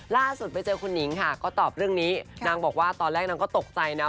ล่าสุดไปเจอคุณหนิงค่ะก็ตอบเรื่องนี้นางบอกว่าตอนแรกนางก็ตกใจนะ